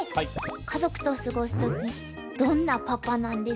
家族と過ごす時どんなパパなんですか？